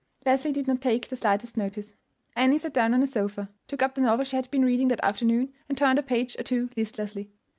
Leslie did not take the slightest notice. Annie sat down on a sofa, took up the novel she had been reading that afternoon, and turned a page or two listlessly.